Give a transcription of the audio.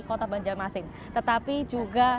kota banjarmasin tetapi juga